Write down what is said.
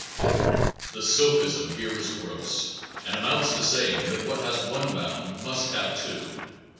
The sophism here is gross, and amounts to saying that w r hat has one bound must have two.